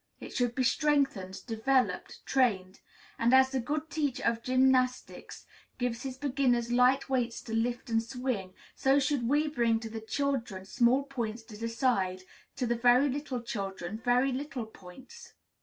It should be strengthened, developed, trained. And, as the good teacher of gymnastics gives his beginners light weights to lift and swing, so should we bring to the children small points to decide; to the very little children, very little points.